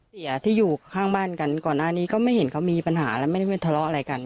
เสียที่อยู่ข้างบ้านกันก่อนหน้านี้ก็ไม่เห็นเขามีปัญหาแล้วไม่ได้ไปทะเลาะอะไรกัน